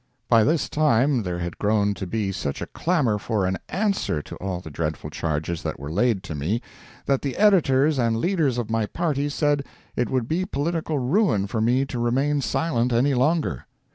"] By this time there had grown to be such a clamor for an "answer" to all the dreadful charges that were laid to me, that the editors and leaders of my party said it would be political ruin for me to remain silent any longer.